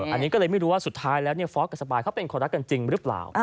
อันนี้ก็เลยไม่รู้ว่าสุดท้ายแล้วฟอร์สกับสปายเขาเป็นคนรักกันจริงหรือเปล่า